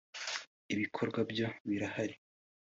“Ibikorwa byo birahari